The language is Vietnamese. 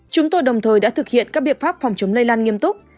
chúng tôi đồng thời đã thực hiện các biện pháp phòng chống lây lan nghiêm túc